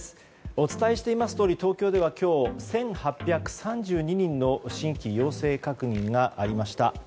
お伝えしていますとおり東京では今日、１８３２人の新規陽性確認がありました。